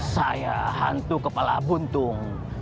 saya hantu kepala buntung